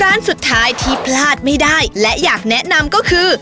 ร้านสุดท้ายที่พลาดไม่ได้และอยากแนะนำก็คือ